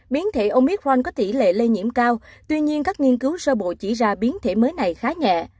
biến thể omitrank có tỷ lệ lây nhiễm cao tuy nhiên các nghiên cứu sơ bộ chỉ ra biến thể mới này khá nhẹ